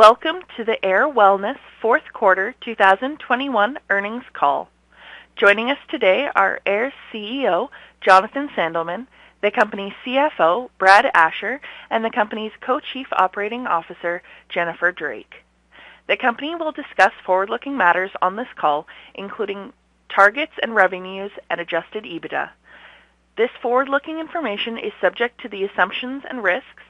Welcome to the Ayr Wellness fourth quarter 2021 earnings call. Joining us today are Ayr's CEO, Jonathan Sandelman, the company's CFO, Brad Asher, and the company's Co-Chief Operating Officer, Jennifer Drake. The company will discuss forward-looking matters on this call, including targets and revenues and Adjusted EBITDA. This forward-looking information is subject to the assumptions and risks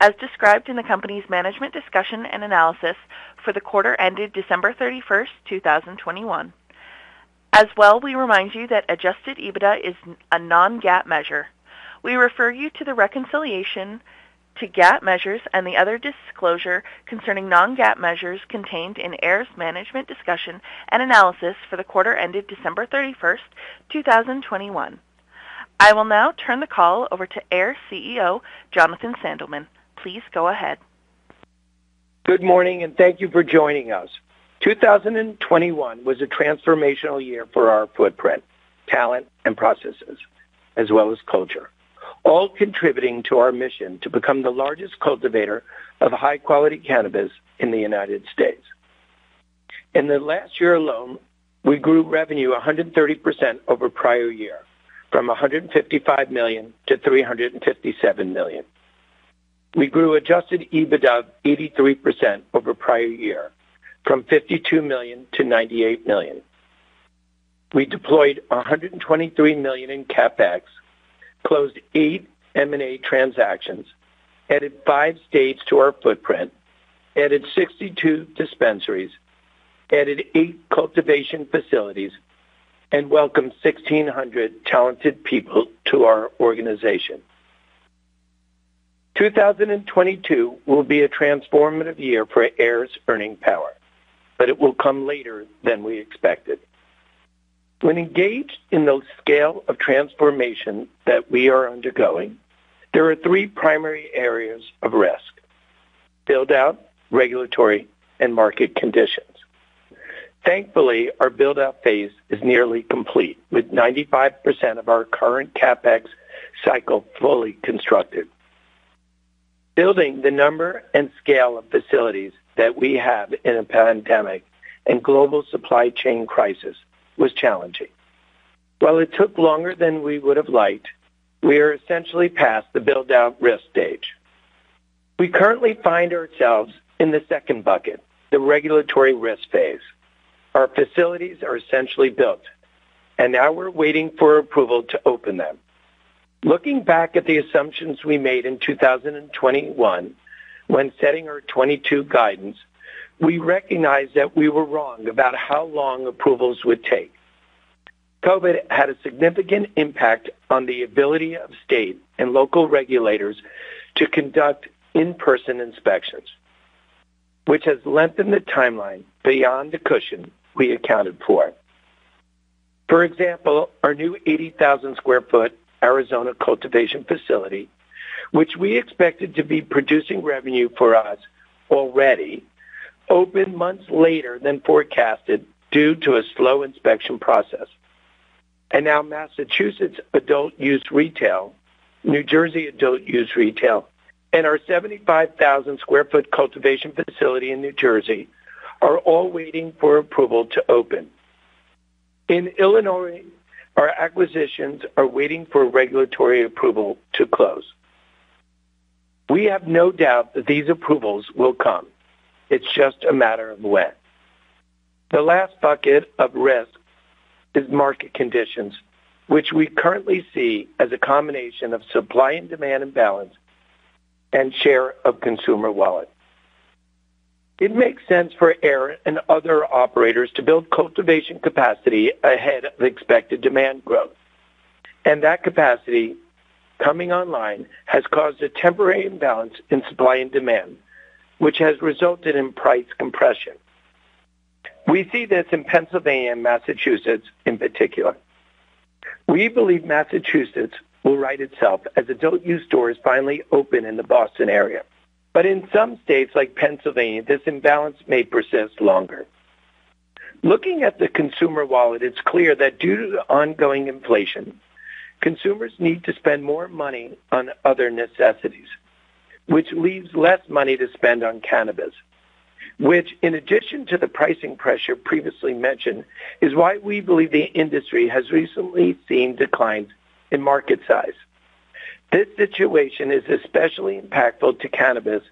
as described in the company's management discussion and analysis for the quarter ended December 31st, 2021. We remind you that Adjusted EBITDA is a non-GAAP measure. We refer you to the reconciliation to GAAP measures and the other disclosure concerning non-GAAP measures contained in Ayr's management discussion and analysis for the quarter ended December 31st, 2021. I will now turn the call over to Ayr CEO, Jonathan Sandelman. Please go ahead. Good morning, and thank you for joining us. 2021 was a transformational year for our footprint, talent, and processes, as well as culture, all contributing to our mission to become the largest cultivator of high-quality cannabis in the United States. In the last year alone, we grew revenue 130% over prior year from $155 million to $357 million. We grew Adjusted EBITDA 83% over prior year from $52 million to $98 million. We deployed $123 million in CapEx, closed eight M&A transactions, added five states to our footprint, added 62 dispensaries, added eight cultivation facilities, and welcomed 1,600 talented people to our organization. 2022 will be a transformative year for Ayr's earning power, but it will come later than we expected. When engaged in the scale of transformation that we are undergoing, there are three primary areas of risk, build-out, regulatory, and market conditions. Thankfully, our build-out phase is nearly complete, with 95% of our current CapEx cycle fully constructed. Building the number and scale of facilities that we have in a pandemic and global supply chain crisis was challenging. While it took longer than we would have liked, we are essentially past the build-out risk stage. We currently find ourselves in the second bucket, the regulatory risk phase. Our facilities are essentially built, and now we're waiting for approval to open them. Looking back at the assumptions we made in 2021 when setting our 2022 guidance, we recognize that we were wrong about how long approvals would take. COVID had a significant impact on the ability of state and local regulators to conduct in-person inspections, which has lengthened the timeline beyond the cushion we accounted for. For example, our new 80,000 sq ft Arizona cultivation facility, which we expected to be producing revenue for us already, opened months later than forecasted due to a slow inspection process. Now Massachusetts adult use retail, New Jersey adult use retail, and our 75,000 sq ft cultivation facility in New Jersey are all waiting for approval to open. In Illinois, our acquisitions are waiting for regulatory approval to close. We have no doubt that these approvals will come. It's just a matter of when. The last bucket of risk is market conditions, which we currently see as a combination of supply and demand imbalance and share of consumer wallet. It makes sense for Ayr and other operators to build cultivation capacity ahead of expected demand growth. That capacity coming online has caused a temporary imbalance in supply and demand, which has resulted in price compression. We see this in Pennsylvania and Massachusetts in particular. We believe Massachusetts will right itself as adult use stores finally open in the Boston area. In some states like Pennsylvania, this imbalance may persist longer. Looking at the consumer wallet, it's clear that due to the ongoing inflation, consumers need to spend more money on other necessities, which leaves less money to spend on cannabis, which, in addition to the pricing pressure previously mentioned, is why we believe the industry has recently seen declines in market size. This situation is especially impactful to cannabis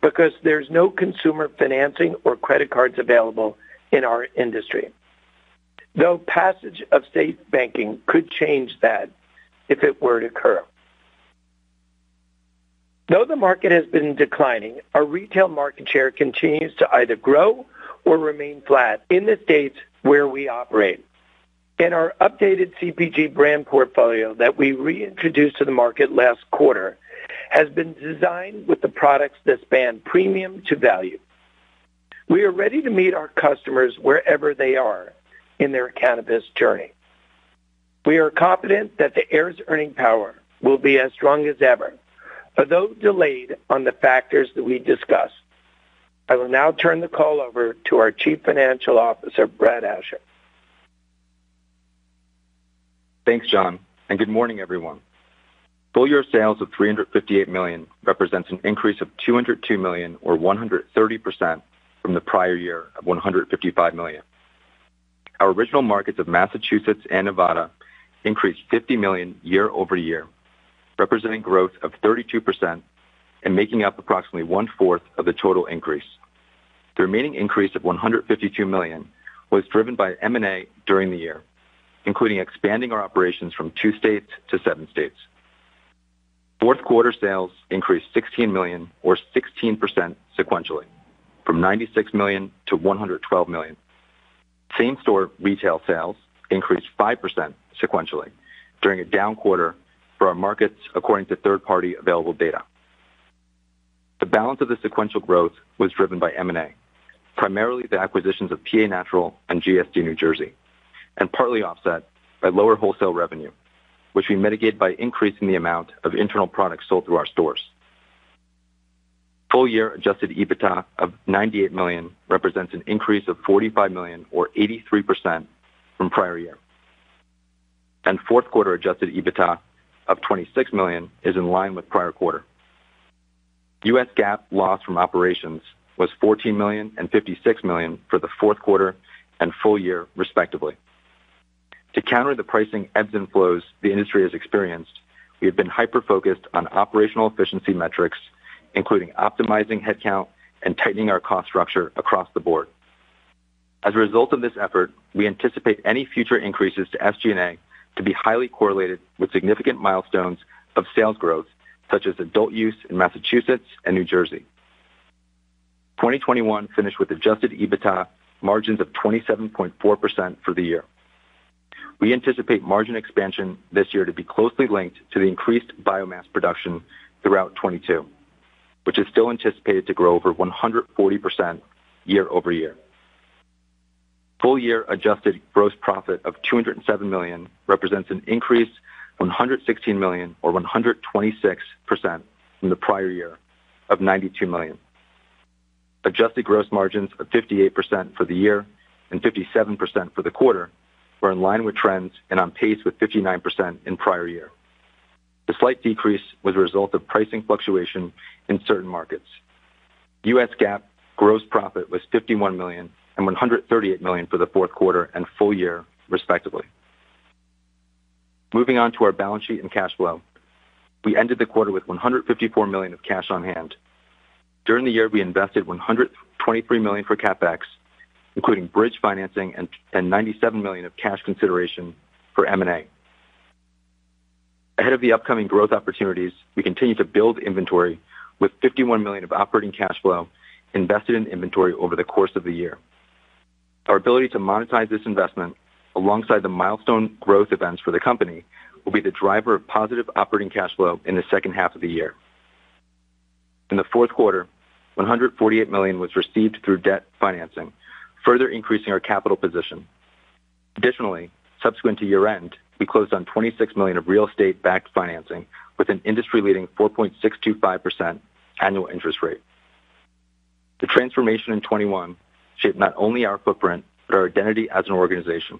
because there's no consumer financing or credit cards available in our industry, though passage of SAFE banking could change that if it were to occur. Though the market has been declining, our retail market share continues to either grow or remain flat in the states where we operate. Our updated CPG brand portfolio that we reintroduced to the market last quarter has been designed with the products that span premium to value. We are ready to meet our customers wherever they are in their cannabis journey. We are confident that the Ayr's earning power will be as strong as ever, although delayed on the factors that we discussed. I will now turn the call over to our Chief Financial Officer, Brad Asher. Thanks, John, and good morning, everyone. Full year sales of $358 million represents an increase of $202 million or 130% from the prior year of $155 million. Our original markets of Massachusetts and Nevada increased $50 million year-over-year, representing growth of 32% and making up approximately 1/4 of the total increase. The remaining increase of $152 million was driven by M&A during the year, including expanding our operations from two states to seven states. Fourth quarter sales increased $16 million or 16% sequentially from $96 million to $112 million. Same-store retail sales increased 5% sequentially during a down quarter for our markets, according to third-party available data. The balance of the sequential growth was driven by M&A, primarily the acquisitions of PA Natural and GSD NJ, and partly offset by lower wholesale revenue, which we mitigate by increasing the amount of internal products sold through our stores. Full year Adjusted EBITDA of $98 million represents an increase of $45 million or 83% from prior year. Fourth quarter Adjusted EBITDA of $26 million is in line with prior quarter. U.S. GAAP loss from operations was $14 million and $56 million for the fourth quarter and full year, respectively. To counter the pricing ebbs and flows the industry has experienced, we have been hyper-focused on operational efficiency metrics, including optimizing headcount and tightening our cost structure across the board. As a result of this effort, we anticipate any future increases to SG&A to be highly correlated with significant milestones of sales growth, such as adult use in Massachusetts and New Jersey. 2021 finished with Adjusted EBITDA margins of 27.4% for the year. We anticipate margin expansion this year to be closely linked to the increased biomass production throughout 2022, which is still anticipated to grow over 140% year over year. Full year adjusted gross profit of $207 million represents an increase $116 million or 126% from the prior year of $92 million. Adjusted gross margins of 58% for the year and 57% for the quarter were in line with trends and on pace with 59% in prior year. The slight decrease was a result of pricing fluctuation in certain markets. U.S. GAAP gross profit was $51 million and $138 million for the fourth quarter and full year, respectively. Moving on to our balance sheet and cash flow. We ended the quarter with $154 million of cash on hand. During the year, we invested $123 million for CapEx, including bridge financing and $97 million of cash consideration for M&A. Ahead of the upcoming growth opportunities, we continue to build inventory with $51 million of operating cash flow invested in inventory over the course of the year. Our ability to monetize this investment, alongside the milestone growth events for the company, will be the driver of positive operating cash flow in the second half of the year. In the fourth quarter, $148 million was received through debt financing, further increasing our capital position. Additionally, subsequent to year-end, we closed on $26 million of real estate-backed financing with an industry-leading 4.625% annual interest rate. The transformation in 2021 shaped not only our footprint, but our identity as an organization.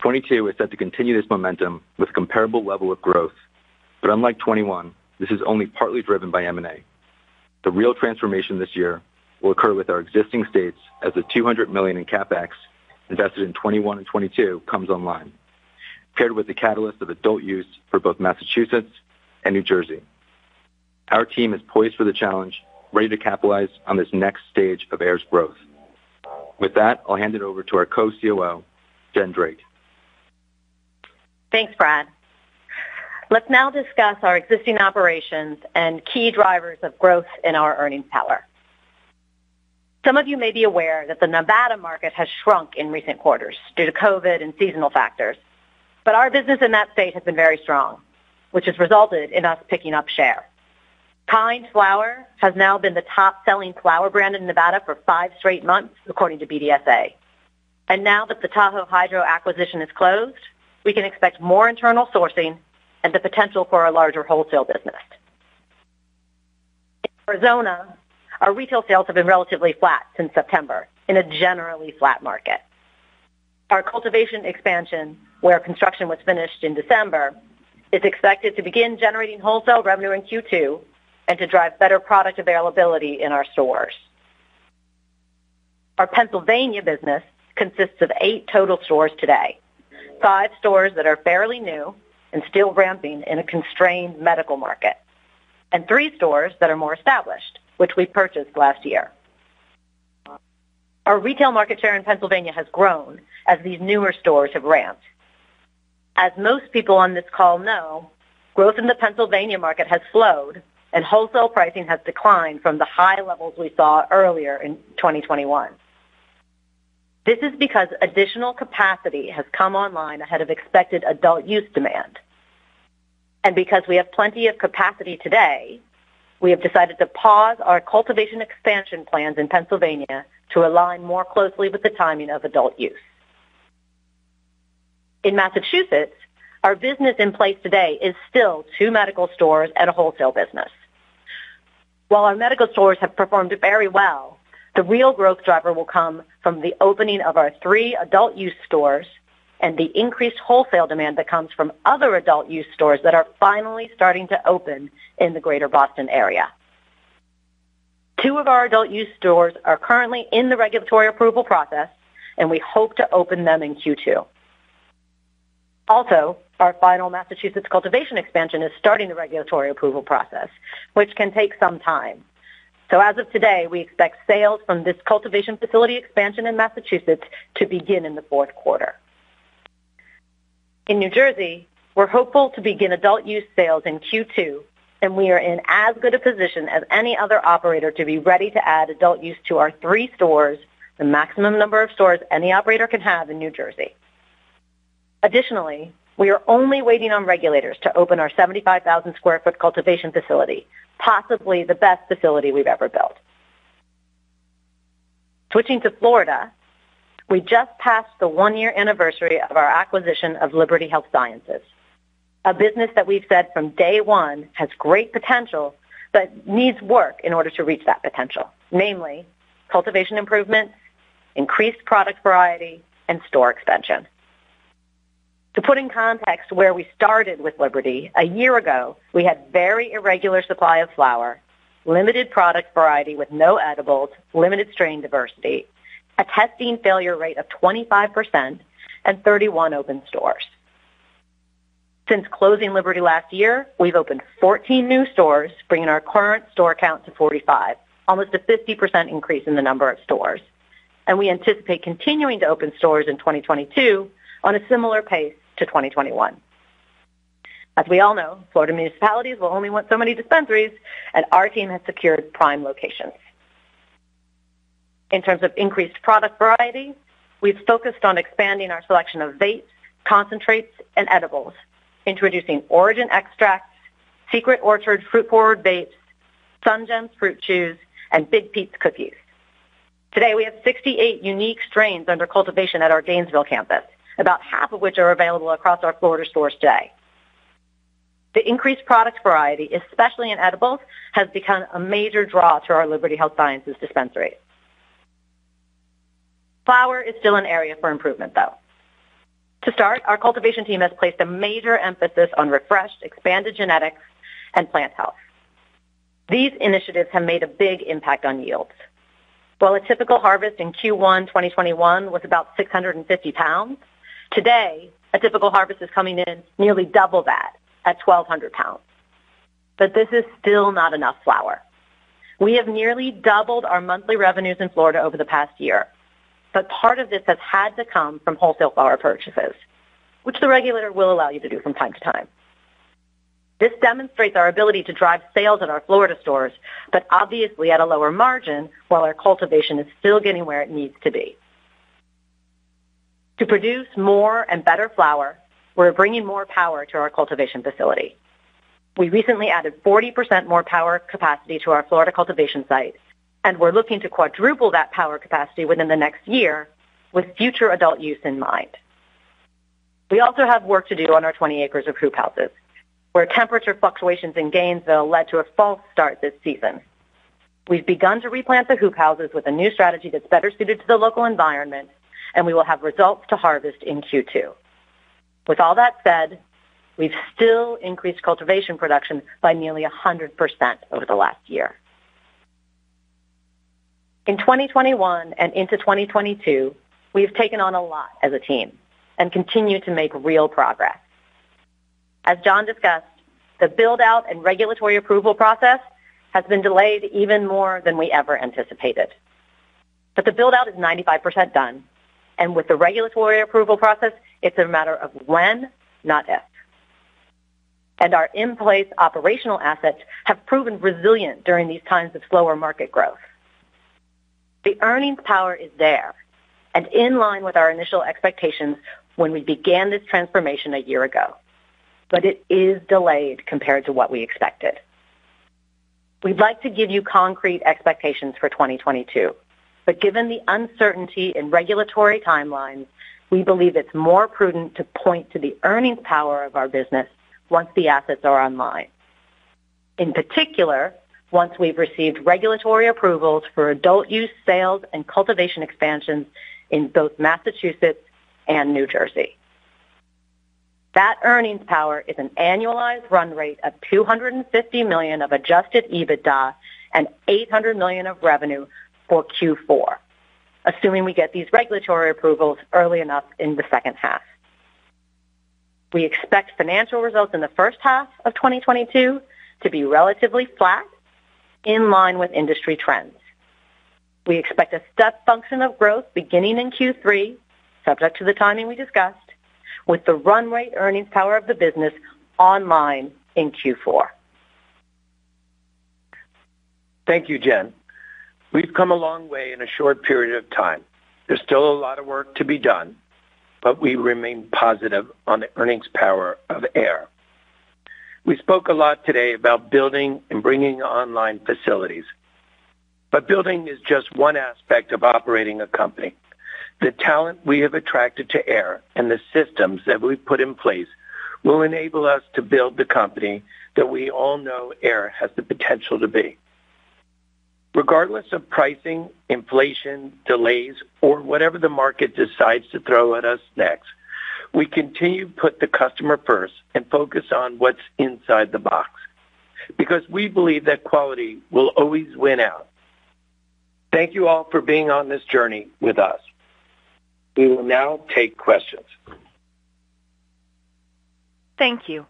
2022 is set to continue this momentum with comparable level of growth. Unlike 2021, this is only partly driven by M&A. The real transformation this year will occur with our existing states as the $200 million in CapEx invested in 2021 and 2022 comes online, paired with the catalyst of adult use for both Massachusetts and New Jersey. Our team is poised for the challenge, ready to capitalize on this next stage of AYR's growth. With that, I'll hand it over to our Co-COO, Jen Drake. Thanks, Brad. Let's now discuss our existing operations and key drivers of growth in our earnings power. Some of you may be aware that the Nevada market has shrunk in recent quarters due to COVID and seasonal factors, but our business in that state has been very strong, which has resulted in us picking up share. Kynd Flower has now been the top-selling flower brand in Nevada for five straight months, according to BDSA. Now that the Tahoe Hydro acquisition is closed, we can expect more internal sourcing and the potential for a larger wholesale business. In Arizona, our retail sales have been relatively flat since September in a generally flat market. Our cultivation expansion, where construction was finished in December, is expected to begin generating wholesale revenue in Q2 and to drive better product availability in our stores. Our Pennsylvania business consists of eight total stores today, five stores that are fairly new and still ramping in a constrained medical market, and three stores that are more established, which we purchased last year. Our retail market share in Pennsylvania has grown as these newer stores have ramped. As most people on this call know, growth in the Pennsylvania market has slowed, and wholesale pricing has declined from the high levels we saw earlier in 2021. This is because additional capacity has come online ahead of expected adult-use demand. Because we have plenty of capacity today, we have decided to pause our cultivation expansion plans in Pennsylvania to align more closely with the timing of adult-use. In Massachusetts, our business in place today is still two medical stores and a wholesale business. While our medical stores have performed very well, the real growth driver will come from the opening of our three adult-use stores and the increased wholesale demand that comes from other adult-use stores that are finally starting to open in the Greater Boston area. Two of our adult-use stores are currently in the regulatory approval process, and we hope to open them in Q2. Also, our final Massachusetts cultivation expansion is starting the regulatory approval process, which can take some time. As of today, we expect sales from this cultivation facility expansion in Massachusetts to begin in the fourth quarter. In New Jersey, we're hopeful to begin adult-use sales in Q2, and we are in as good a position as any other operator to be ready to add adult-use to our three stores, the maximum number of stores any operator can have in New Jersey. Additionally, we are only waiting on regulators to open our 75,000 sq ft cultivation facility, possibly the best facility we've ever built. Switching to Florida, we just passed the one-year Anniversary of our acquisition of Liberty Health Sciences, a business that we've said from day one has great potential, but needs work in order to reach that potential. Namely, cultivation improvement, increased product variety, and store expansion. To put in context where we started with Liberty, a year ago, we had very irregular supply of flower, limited product variety with no edibles, limited strain diversity, a testing failure rate of 25%, and 31 open stores. Since closing Liberty last year, we've opened 14 new stores, bringing our current store count to 45, almost a 50% increase in the number of stores. We anticipate continuing to open stores in 2022 on a similar pace to 2021. As we all know, Florida municipalities will only want so many dispensaries, and our team has secured prime locations. In terms of increased product variety, we've focused on expanding our selection of vapes, concentrates, and edibles, introducing Origyn Extracts, Secret Orchard fruit forward vapes, Sun Gems fruit chews, and Big Pete's Cookies. Today, we have 68 unique strains under cultivation at our Gainesville campus, about half of which are available across our Florida stores today. The increased product variety, especially in edibles, has become a major draw to our Liberty Health Sciences dispensaries. Flower is still an area for improvement, though. To start, our cultivation team has placed a major emphasis on refreshed, expanded genetics and plant health. These initiatives have made a big impact on yields. While a typical harvest in Q1 2021 was about 650 lbs, today, a typical harvest is coming in nearly double that at 1,200 lbs. This is still not enough flower. We have nearly doubled our monthly revenues in Florida over the past year, but part of this has had to come from wholesale flower purchases, which the regulator will allow you to do from time to time. This demonstrates our ability to drive sales at our Florida stores, but obviously at a lower margin while our cultivation is still getting where it needs to be. To produce more and better flower, we're bringing more power to our cultivation facility. We recently added 40% more power capacity to our Florida cultivation sites, and we're looking to quadruple that power capacity within the next year with future adult-use in mind. We also have work to do on our 20 acres of Hoop houses, where temperature fluctuations in Gainesville led to a false start this season. We've begun to replant the Hoop houses with a new strategy that's better suited to the local environment, and we will have results to harvest in Q2. With all that said, we've still increased cultivation production by nearly 100% over the last year. In 2021 and into 2022, we've taken on a lot as a team and continue to make real progress. As John discussed, the build-out and regulatory approval process has been delayed even more than we ever anticipated. The build-out is 95% done, and with the regulatory approval process, it's a matter of when, not if. Our in-place operational assets have proven resilient during these times of slower market growth. The earnings power is there and in line with our initial expectations when we began this transformation a year ago, but it is delayed compared to what we expected. We'd like to give you concrete expectations for 2022, but given the uncertainty in regulatory timelines, we believe it's more prudent to point to the earnings power of our business once the assets are online. In particular, once we've received regulatory approvals for adult-use sales and cultivation expansions in both Massachusetts and New Jersey, that earnings power is an annualized run-rate of $250 million of Adjusted EBITDA and $800 million of revenue for Q4, assuming we get these regulatory approvals early enough in the second half. We expect financial results in the first half of 2022 to be relatively flat, in line with industry trends. We expect a step function of growth beginning in Q3, subject to the timing we discussed, with the run rate earnings power of the business online in Q4. Thank you, Jen. We've come a long way in a short period of time. There's still a lot of work to be done, but we remain positive on the earnings power of Ayr. We spoke a lot today about building and bringing online facilities. Building is just one aspect of operating a company. The talent we have attracted to Ayr and the systems that we've put in place will enable us to build the company that we all know Ayr has the potential to be. Regardless of pricing, inflation, delays, or whatever the market decides to throw at us next, we continue to put the customer first and focus on what's inside the box, because we believe that quality will always win out. Thank you all for being on this journey with us. We will now take questions. Thank you.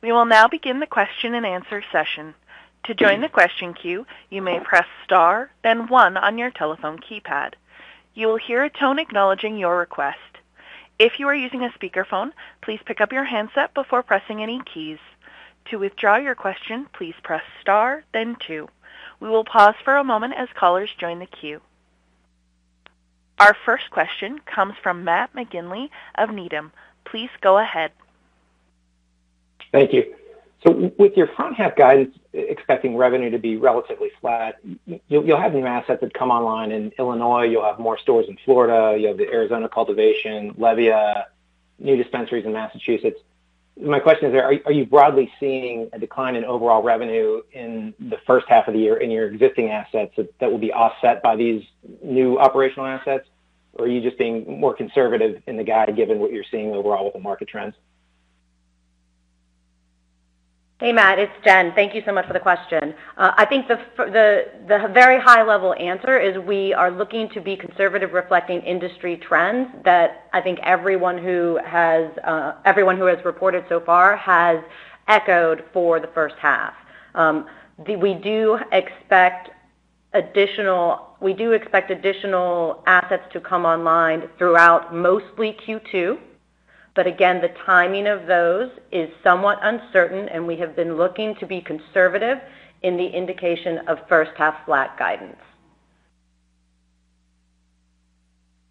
We will now begin the question and answer session. We will pause for a moment as callers join the queue. Our first question comes from Matt McGinley of Needham. Please go ahead. Thank you. With your front half guidance expecting revenue to be relatively flat, you'll have new assets that come online in Illinois. You'll have more stores in Florida. You have the Arizona cultivation, Levia, new dispensaries in Massachusetts. My question is, are you broadly seeing a decline in overall revenue in the first half of the year in your existing assets that will be offset by these new operational assets? Or are you just being more conservative in the guide given what you're seeing overall with the market trends? Hey, Matt, it's Jen. Thank you so much for the question. I think the very high-level answer is we are looking to be conservative reflecting industry trends that I think everyone who has reported so far has echoed for the first half. We do expect additional assets to come online throughout mostly Q2. Again, the timing of those is somewhat uncertain, and we have been looking to be conservative in the indication of first half flat guidance.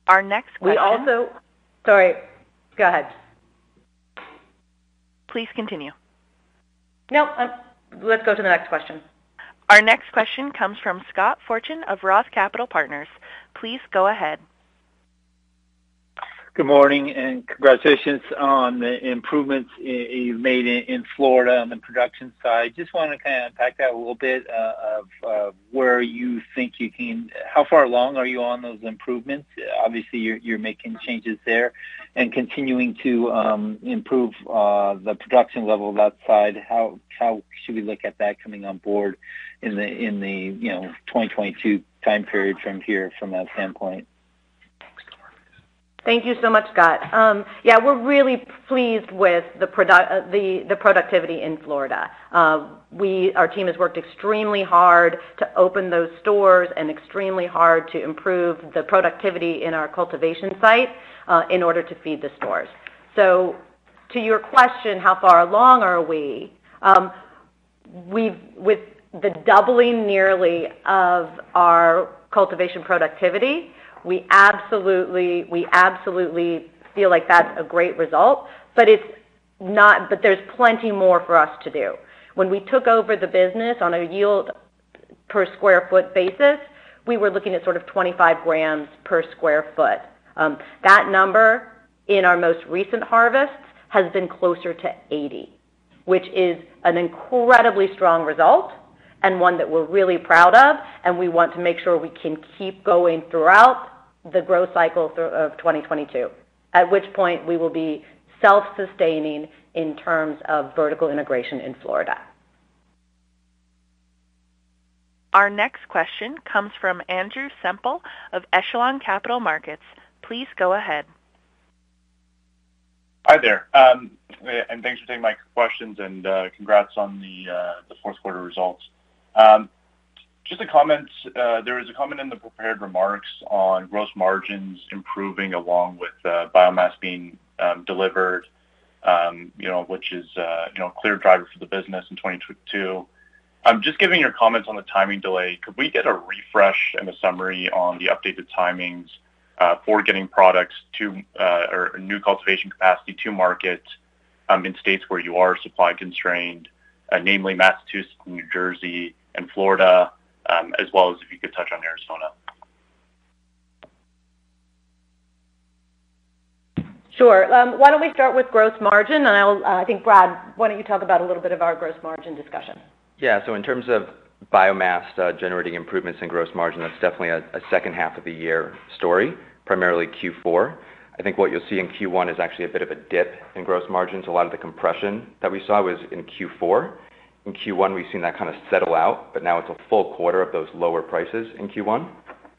Our next question. Sorry. Go ahead. Please continue. No, let's go to the next question. Our next question comes from Scott Fortune of ROTH Capital Partners. Please go ahead. Good morning, and congratulations on the improvements you've made in Florida on the production side. Just wanna kinda unpack that a little bit, where you think you can. How far along are you on those improvements? Obviously, you're making changes there and continuing to improve the production level of that side. How should we look at that coming on board in the 2022 time period from here from that standpoint? Thank you so much, Scott. Yeah, we're really pleased with the productivity in Florida. Our team has worked extremely hard to open those stores and extremely hard to improve the productivity in our cultivation site in order to feed the stores. To your question, how far along are we? With the doubling nearly of our cultivation productivity, we absolutely feel like that's a great result, but it's not. There's plenty more for us to do. When we took over the business on a yield per square foot basis, we were looking at sort of 25 g per sq ft. That number in our most recent harvest has been closer to 80 g per sq ft, which is an incredibly strong result and one that we're really proud of, and we want to make sure we can keep going throughout the growth cycle of 2022, at which point we will be self-sustaining in terms of vertical integration in Florida. Our next question comes from Andrew Semple of Echelon Capital Markets. Please go ahead. Hi there, and thanks for taking my questions and, congrats on the fourth quarter results. Just a comment. There was a comment in the prepared remarks on gross margins improving along with biomass being delivered, you know, which is, you know, a clear driver for the business in 2022. Just giving your comments on the timing delay, could we get a refresh and a summary on the updated timings for getting products to or new cultivation capacity to market in states where you are supply constrained, namely Massachusetts, New Jersey, and Florida, as well as if you could touch on Arizona. Sure. Why don't we start with gross margin? I'll, I think, Brad, why don't you talk about a little bit of our gross margin discussion? Yeah. In terms of biomass, generating improvements in gross margin, that's definitely a second half of the year story, primarily Q4. I think what you'll see in Q1 is actually a bit of a dip in gross margins. A lot of the compression that we saw was in Q4. In Q1, we've seen that kind of settle out, but now it's a full quarter of those lower prices in Q1.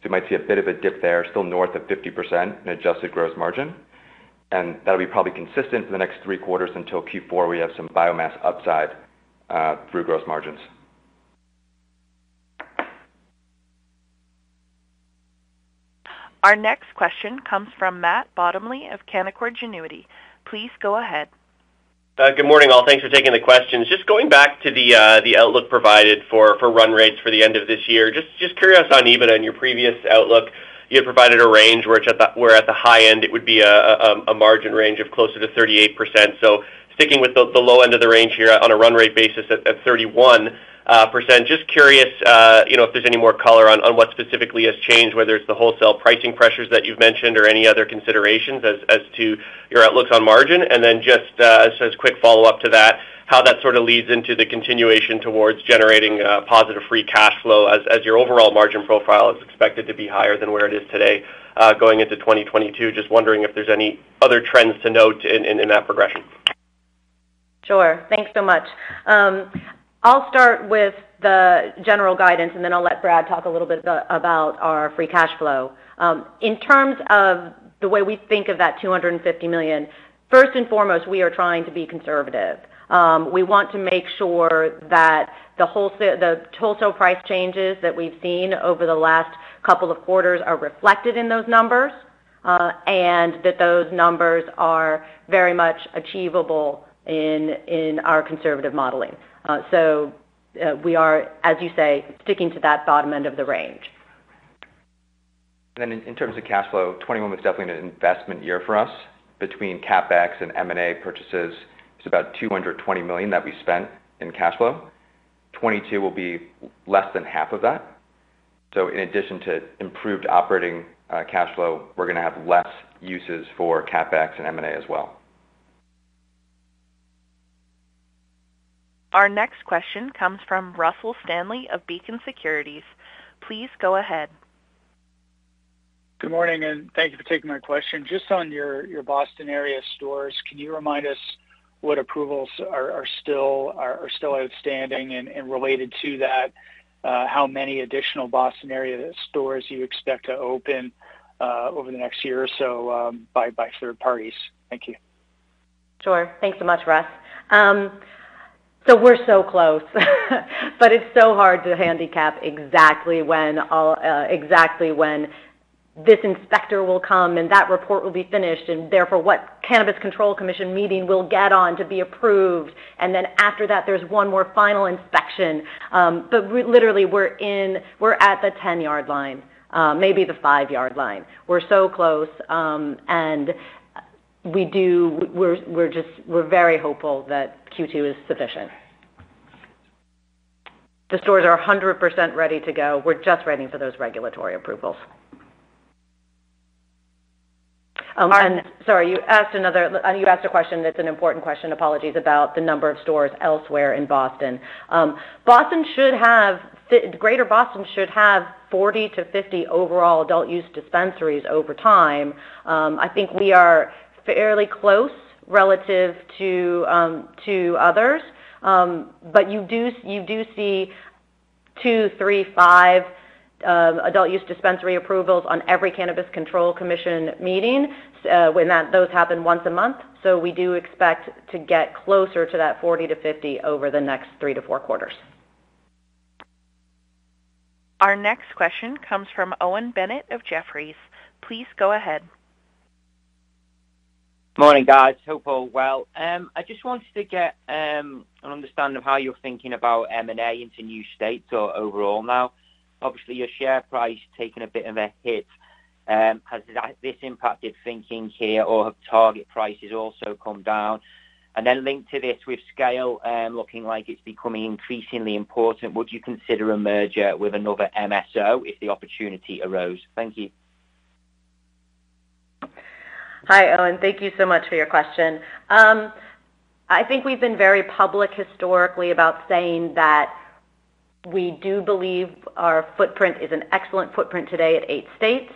You might see a bit of a dip there, still north of 50% in adjusted gross margin. That'll be probably consistent for the next three quarters until Q4 where we have some biomass upside through gross margins. Our next question comes from Matt Bottomley of Canaccord Genuity. Please go ahead. Good morning, all. Thanks for taking the questions. Just going back to the outlook provided for run rates for the end of this year. Just curious on even on your previous outlook, you had provided a range where at the high end it would be a margin range of closer to 38%. Sticking with the low end of the range here on a run-rate basis at 31%. Just curious, you know, if there's any more color on what specifically has changed, whether it's the wholesale pricing pressures that you've mentioned or any other considerations as to your outlooks on margin. Then just as a quick follow-up to that, how that sort of leads into the continuation towards generating positive free cash flow as your overall margin profile is expected to be higher than where it is today going into 2022. Just wondering if there's any other trends to note in that progression. Sure. Thanks so much. I'll start with the general guidance, and then I'll let Brad talk a little bit about our free cash flow. In terms of the way we think of that $250 million, first and foremost, we are trying to be conservative. We want to make sure that the wholesale price changes that we've seen over the last couple of quarters are reflected in those numbers, and that those numbers are very much achievable in our conservative modeling. We are, as you say, sticking to that bottom end of the range. In terms of cash flow, 2021 was definitely an investment year for us. Between CapEx and M&A purchases, it's about $220 million that we spent in cash flow. 2022 will be less than half of that. In addition to improved operating cash flow, we're gonna have less uses for CapEx and M&A as well. Our next question comes from Russell Stanley of Beacon Securities. Please go ahead. Good morning, and thank you for taking my question. Just on your Boston area stores, can you remind us what approvals are still outstanding? Related to that, how many additional Boston area stores you expect to open over the next year or so by third parties? Thank you. Sure. Thanks so much, Russ. We're so close, but it's so hard to handicap exactly when this inspector will come, and that report will be finished, and therefore, what Cannabis Control Commission meeting will get on to be approved. After that, there's one more final inspection. We're literally at the 10-yard line, maybe the five-yard line. We're so close. We're very hopeful that Q2 is sufficient. The stores are 100% ready to go. We're just waiting for those regulatory approvals. Sorry, you asked a question that's an important question, apologies, about the number of stores elsewhere in Boston. Greater Boston should have 40-50 overall adult-use dispensaries over time. I think we are fairly close relative to others. You do see two, three, five adult-use dispensary approvals on every Cannabis Control Commission meeting, when those happen once a month. We do expect to get closer to that 40-50 over the next three to four quarters. Our next question comes from Owen Bennett of Jefferies. Please go ahead. Morning, guys. Hope all well. I just wanted to get an understanding of how you're thinking about M&A into new states or overall now. Obviously, your share price has taken a bit of a hit. Has that impacted thinking here, or have target prices also come down? Linked to this, with scale looking like it's becoming increasingly important, would you consider a merger with another MSO if the opportunity arose? Thank you. Hi, Owen. Thank you so much for your question. I think we've been very public historically about saying that we do believe our footprint is an excellent footprint today at eight states.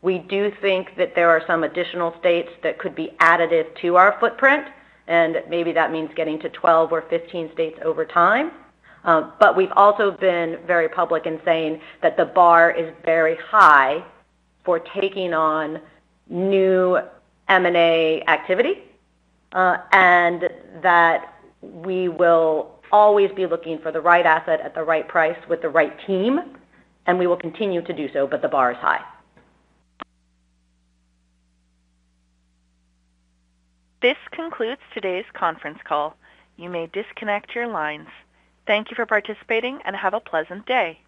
We do think that there are some additional states that could be additive to our footprint, and maybe that means getting to 12 or 15 states over time. We've also been very public in saying that the bar is very high for taking on new M&A activity, and that we will always be looking for the right asset at the right price with the right team, and we will continue to do so, but the bar is high. This concludes today's conference call. You may disconnect your lines. Thank you for participating, and have a pleasant day.